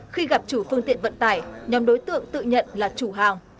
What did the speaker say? khi gặp chủ phương tiện vận tải nhóm đối tượng tự nhận là chủ hàng